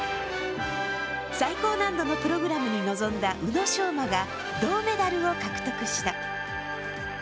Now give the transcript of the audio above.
最高難度のプログラムに臨んだ宇野昌磨が銅メダルを獲得した。